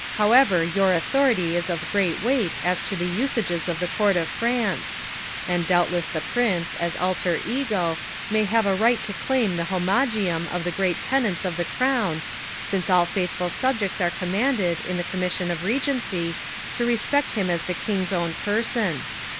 However, your authority is of great weight as to the usages of the court of France; and doubtless the Prince, as alter ego, may have a right to claim the homagium of the great tenants of the crown, since all faithful subjects are commanded, in the commission of regency, to respect him as the King's own person.